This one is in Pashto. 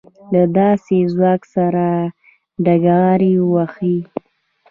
له داسې ځواک سره ډغرې ووهي.